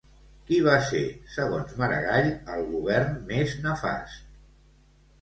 Quin va ser, segons Maragall, el govern més nefast?